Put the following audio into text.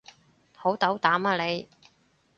好斗膽啊你